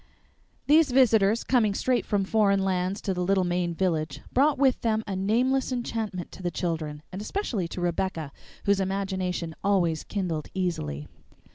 These visitors, coming straight from foreign lands to the little Maine village, brought with them a nameless enchantment to the children, and especially to Rebecca, whose imagination always kindled easily.